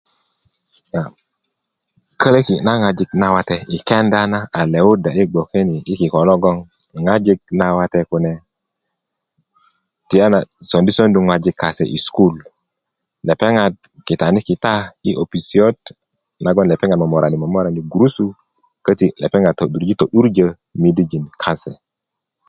a kälaki na ŋojik na wate i kenda na a lewuda i gboke ni i kiko logoŋ ŋojik na wate kune tiyana sondisondu ŋojin kase i sukulu lepeŋat kitanikita i opisyat na 'bijokok nagoŋ lepeŋ a momorani momorani gurusu käti lepeŋat todurji todurjö midijin kase